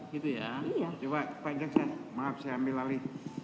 gitu ya coba pak jackson maaf saya ambil lalu